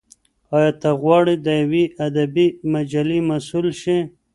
ایا ته غواړې د یوې ادبي مجلې مسول شې؟